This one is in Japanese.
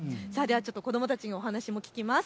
子どもたちにお話も聞きます。